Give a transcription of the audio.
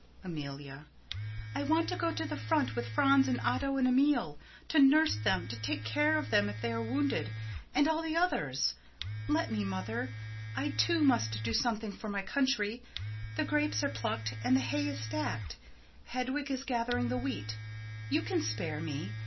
Amelia: I want to go to the front with Franz and Otto and Emil, to nurse them, to take care of them if they are wounded and all the others. Let me, Mother! I, too, must do something for my country. The grapes are plucked, and the hay is stacked. Hedwig is gathering the wheat. You can spare me.